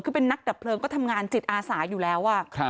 คือเป็นนักดับเพลิงก็ทำงานจิตอาสาอยู่แล้ว